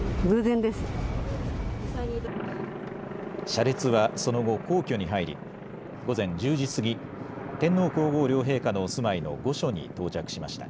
車列はその後、皇居に入り午前１０時過ぎ、天皇皇后両陛下のお住まいの御所に到着しました。